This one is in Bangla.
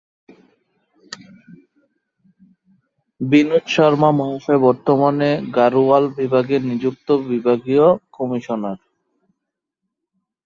বিনোদ শর্মা মহাশয় বর্তমানে গাড়োয়াল বিভাগে নিযুক্ত বিভাগীয় কমিশনার।